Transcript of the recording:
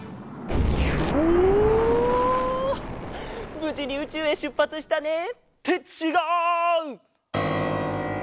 ぶじにうちゅうへしゅっぱつしたね！ってちがう！